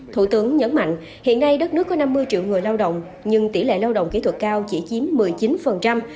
thủ tướng nhấn mạnh hiện nay đất nước có năm mươi triệu người lao động nhưng tỷ lệ lao động kỹ thuật cao chỉ chiếm một mươi chín